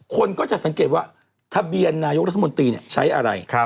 คนก็จะสังเกตว่าทะเบียนนายกรัฐมนตรีใช้อะไร